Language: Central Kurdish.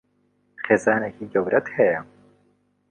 خێزانێکی گەورەت هەیە؟